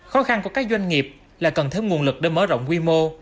khó khăn của các doanh nghiệp là cần thêm nguồn lực để mở rộng quy mô